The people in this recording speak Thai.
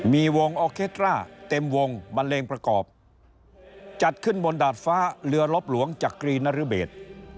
มีวงออเคตร่าเต็มวงบันเลงประกอบจัดขึ้นบนดาดฟ้าเรือลบหลวงจักรีนรเบศ